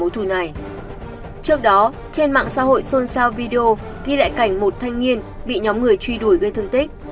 trên mạng xã hội sôn sao video ghi lại cảnh một thanh niên bị nhóm người truy đuổi gây thương tích